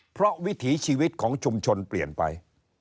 เพราะวิถีชีวิตของชุมชนเปลี่ยนไป